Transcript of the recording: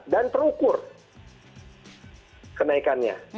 dan terukur kenaikannya